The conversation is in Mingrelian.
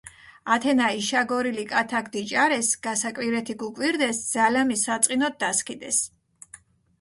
ათენა იშაგორილი კათაქ დიჭარეს, გასაკვირეთი გუკვირდეს, ძალამი საწყინოთ დასქიდეს.